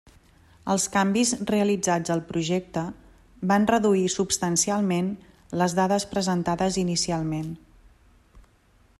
Els canvis realitzats al projecte van reduir substancialment les dades presentades inicialment.